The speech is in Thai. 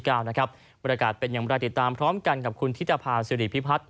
บรรยากาศเป็นอย่างไรติดตามพร้อมกันกับคุณธิตภาษิริพิพัฒน์